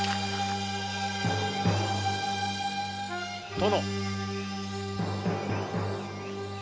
・殿。